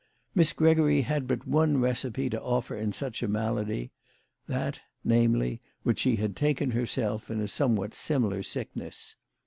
Miss Gregory had but one recipe to offer in such a malady ; that, namely, which she had taken herself in a somewhat similar sickness.